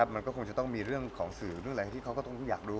มันก็คงจะต้องมีเรื่องของสื่อเรื่องอะไรที่เขาก็ต้องอยากดู